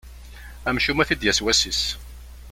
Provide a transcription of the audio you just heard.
Amcum ad t-id-yas wass-is.